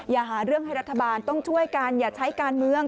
อย่าหาเรื่องให้รัฐบาลต้องช่วยกันอย่าใช้การเมือง